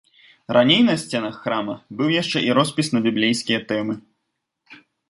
Раней на сценах храма быў яшчэ і роспіс на біблейскія тэмы.